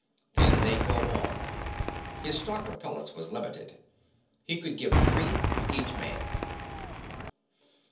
Then they'd go on. His stock of pellets was limited. He could give three to each man.